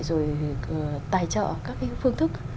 rồi tài trợ các cái phương thức